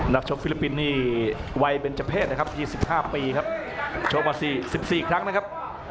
ชกฟิลิปปินส์นี่วัยเป็นเจ้าเพศนะครับ๒๕ปีครับชกมา๑๔ครั้งนะครับ